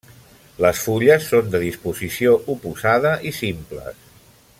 Les fulles són de disposició oposada i simples.